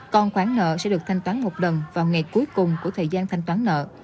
còn khoản nợ sẽ được thanh toán một lần vào ngày cuối cùng của thời gian thanh toán nợ